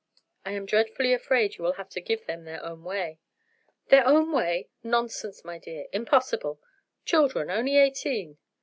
"I am dreadfully afraid you will have to give them their own way." "Their own way! Nonsense, my dear! impossible. Children, only eighteen."